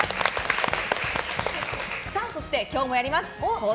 そして、今日もやります。